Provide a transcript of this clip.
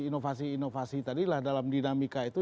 inovasi inovasi tadilah dalam dinamika itu